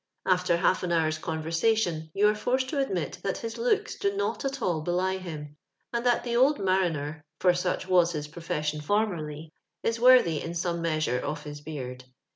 After half an hour's conver sation, you are forced to admit that his looks do not all belie him, and that the old mariner (for such was his profession formerly) is worthy in some measure of his beard.